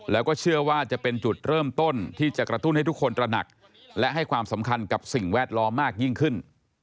แล้วก็เชื่อว่าจะเป็นจุดเริ่มต้นที่จะกระตุ้นให้ทุกคนตระหนักและให้ความสำคัญกับสิ่งแวดล้อมมากยิ่งขึ้น